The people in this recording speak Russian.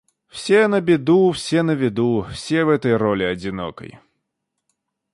Все на беду, все на виду, Все в этой роли одинокой.